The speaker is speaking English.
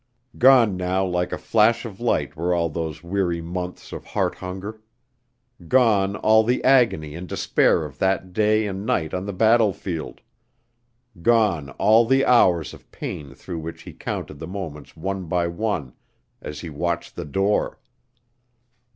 Gone now like a flash of light were all those weary months of heart hunger! Gone all the agony and despair of that day and night on the battlefield! Gone all the hours of pain through which he counted the moments one by one as he watched the door!